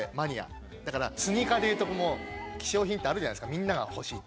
だからスニーカーでいうともう希少品ってあるじゃないですかみんなが欲しいって。